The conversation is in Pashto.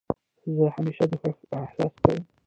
زه همېشه د خوښۍ احساس کوم.